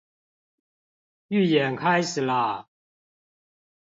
預演開始啦